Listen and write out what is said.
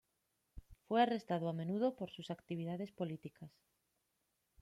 Fue arrestado a menudo por sus actividades políticas.